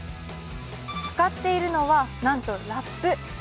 使っているのは、なんとラップ。